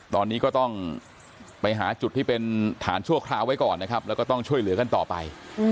ตอนนี้ก็ต้องไปหาจุดที่เป็นฐานชั่วคราวไว้ก่อนนะครับแล้วก็ต้องช่วยเหลือกันต่อไป